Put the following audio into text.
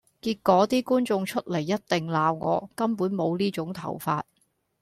結果啲觀眾出嚟一定鬧我，根本無呢種頭髮！